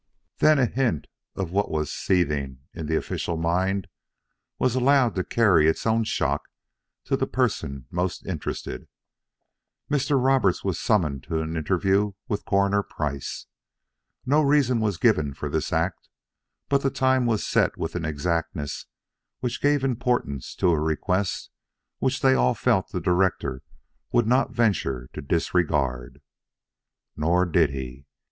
Then a hint of what was seething in the official mind was allowed to carry its own shock to the person most interested. Mr. Roberts was summoned to an interview with Coroner Price. No reason was given for this act, but the time was set with an exactness which gave importance to a request which they all felt the director would not venture to disregard. Nor did he.